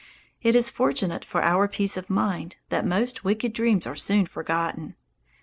It is fortunate for our peace of mind that most wicked dreams are soon forgotten.